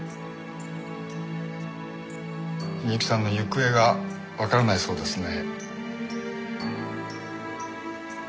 美雪さんの行方がわからないそうですね。